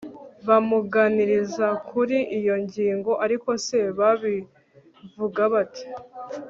bamuganiriza kuri iyo ngingo ariko se babivuga bate